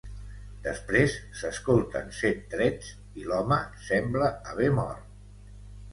Després s’escolten set trets i l’home sembla haver mort.